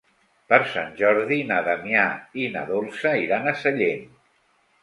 Per Sant Jordi na Damià i na Dolça iran a Sallent.